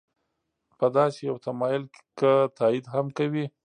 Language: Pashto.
په داسې یو تمایل که تایید هم کوي.